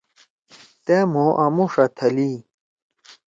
تأ مھو آمُوݜا تھلئی۔